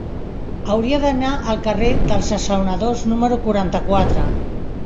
Hauria d'anar al carrer dels Assaonadors número quaranta-quatre.